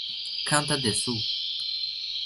Kanta desu.